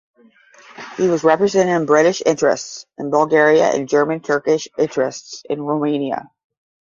He was representing British interests in Bulgaria and German and Turkish interests in Romania.